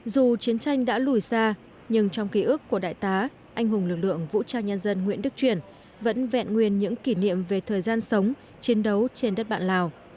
dù chiến tranh đã lùi xa nhưng trong ký ức của đại tá anh hùng lực lượng vũ trang nhân dân nguyễn đức truyền vẫn vẹn nguyên những kỷ niệm về thời gian sống chiến đấu trên đất bạn lào